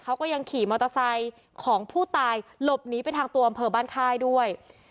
เขาก็ยังขี่มอเตอร์ไซค์ของผู้ตายหลบหนีไปทางตัวอำเภอบ้านค่ายด้วย